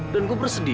dan gue bersedia